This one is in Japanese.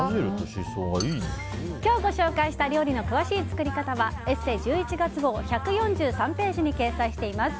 今日ご紹介した料理の詳しい作り方は「ＥＳＳＥ」１１月号１４３ページに掲載しています。